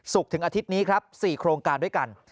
ถึงอาทิตย์นี้ครับ๔โครงการด้วยกัน